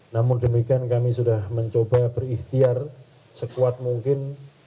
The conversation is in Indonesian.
namun demikian kami sudah mencoba berikhtiar sekuat mungkin